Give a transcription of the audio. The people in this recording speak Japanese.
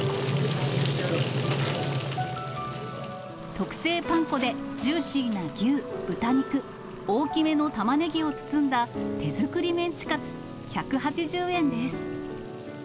特製パン粉でジューシーな牛、豚肉、大きめのタマネギを包んだ手作りメンチカツ１８０円です。